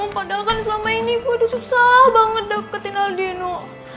padahal kan selama ini ku udah susah banget deketin aldino